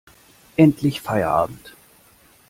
Endlich Feierabend!